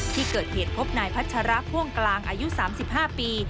ที่เกิดเหตุพบนายพัชระพ่วงกลางอายุ๓๕ปี